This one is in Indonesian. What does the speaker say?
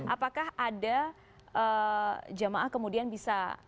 apakah ada jemaah kemudian bisa